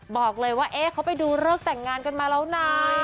บอกเลยว่าเอ๊ะเขาไปดูเริ่มแต่งงานกันมาแล้วนาน